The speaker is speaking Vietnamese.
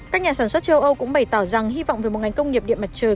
các nhà sản xuất châu âu cũng bày tỏ rằng hy vọng về một ngành công nghiệp điện mặt trời